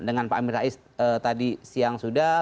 dengan pak amin rais tadi siang sudah